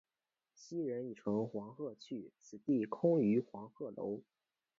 昔人已乘黄鹤去，此地空余黄鹤楼。